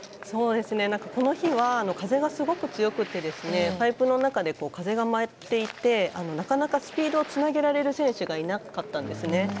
この日は風がすごく強くてパイプの中で風が舞っていてなかなかスピードをつなげられる選手がいなかったんですね。